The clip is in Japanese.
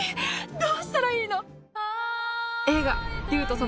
どうしたらいいの？